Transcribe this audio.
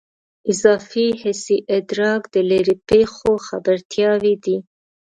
اضافي حسي ادراک د لیرې پېښو خبرتیاوې دي.